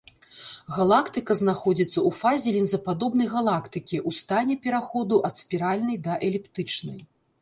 Галактыка знаходзіцца ў фазе лінзападобнай галактыкі ў стане пераходу ад спіральнай да эліптычнай.